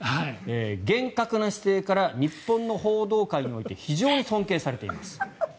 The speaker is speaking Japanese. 厳格な姿勢から日本の報道界において非常に尊敬されています。